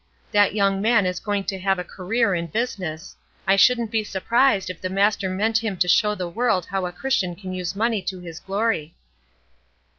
That young man is going to have a career in business. I shouldn't be surprised if the Master meant him to show the world how a Christian can use money to his glory."